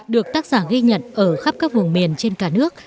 được tác giả ghi nhận ở khắp các vùng miền trên cả nước